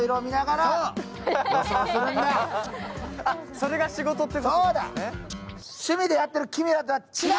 それが仕事ってことですね。